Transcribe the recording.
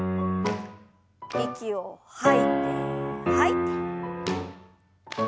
息を吐いて吐いて。